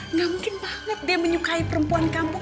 nggak mungkin banget dia menyukai perempuan kampung